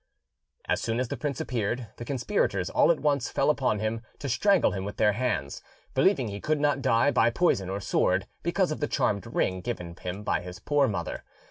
As soon as the prince appeared, the conspirators all at once fell upon him, to strangle him with their hands; believing he could not die by poison or sword, because of the charmed ring given him by his poor mother.